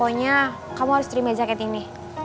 jadi pokoknya kamu harus terima jaket ini